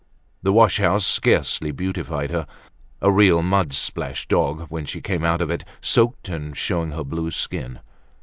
The wash house scarcely beautified her. A real mud splashed dog when she came out of it, soaked and showing her blue skin.